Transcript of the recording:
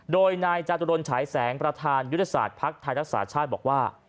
โดยนายจตุรนฉายแสงประธานยุทธศาสตร์ภักดิ์ไทยรักษาชาติบอกว่า